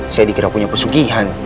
saya dikira punya pesugihan